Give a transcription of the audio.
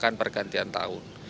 dan pergantian tahun